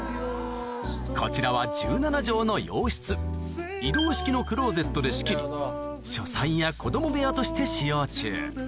こちらは１７帖の洋室移動式のクローゼットで仕切り書斎や子供部屋として使用中